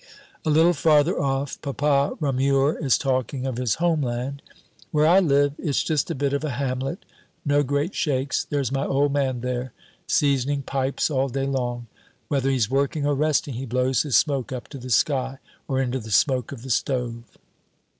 '" A little farther off, Papa Ramure is talking of his homeland: "Where I live, it's just a bit of a hamlet, no great shakes. There's my old man there, seasoning pipes all day long; whether he's working or resting, he blows his smoke up to the sky or into the smoke of the stove."